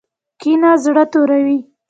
کینه زړه توروي